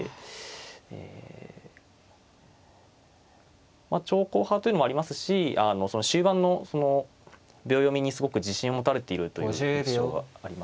え長考派というのもありますし終盤の秒読みにすごく自信を持たれているという印象がありますね。